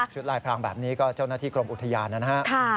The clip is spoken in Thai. ลายพรางแบบนี้ก็เจ้าหน้าที่กรมอุทยานนะครับ